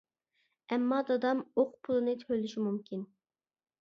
ئەمما دادام ئوق پۇلىنى تۆلىشى مۇمكىن.